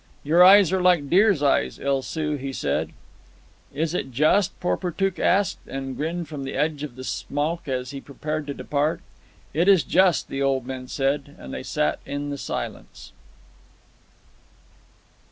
"Your eyes are like deer's eyes, El Soo," he said. "Is it just?" Porportuk asked, and grinned from the edge of the smoke as he prepared to depart. "It is just," the old men said. And they sat on in the silence.